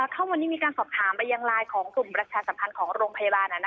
ถ้าวันนี้มีการสอบถามไปยังไลน์ของกลุ่มประชาสัมพันธ์ของโรงพยาบาล